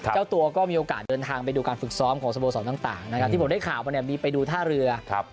เจ้าตัวก็มีโอกาสเดินทางไปดูการฝึกซ้อมของสโมสรต่างนะครับที่ผมได้ข่าวมาเนี่ยมีไปดูท่าเรือ